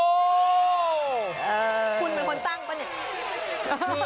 คุณเป็นคนตั้งป่ะเนี่ย